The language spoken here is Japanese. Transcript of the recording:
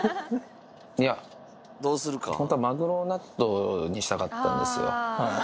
いや、本当はマグロ納豆にしたかったんですよ。